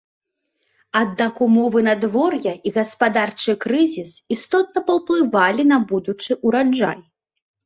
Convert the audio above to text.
Аднак умовы надвор'я і гаспадарчы крызіс істотна паўплывалі на будучы ўраджай.